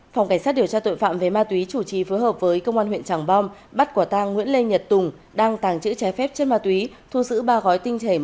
phòng cảnh sát điều tra tội phạm về ma túy chủ trì phối hợp với công an huyện tràng bom bắt quả tang nguyễn lê nhật tùng đang tàng chữ trái phép chất ma túy thu giữ ba gói tinh thể một trăm linh